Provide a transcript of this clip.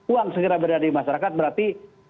uang segera berada di masyarakat berarti